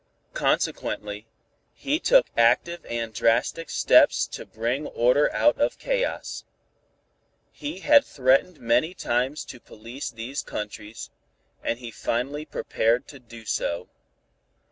Consequently, he took active and drastic steps to bring order out of chaos. He had threatened many times to police these countries, and he finally prepared to do so.